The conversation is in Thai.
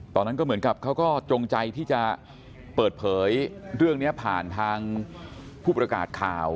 ตอนนั้นก็เหมือนกับเขาก็จงใจที่จะเปิดเผยเรื่องนี้ผ่านทางผู้ประกาศข่าว